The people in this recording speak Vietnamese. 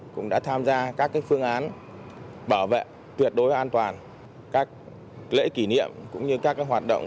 cũng đã tham gia các phương án bảo vệ tuyệt đối an toàn các lễ kỷ niệm cũng như các hoạt động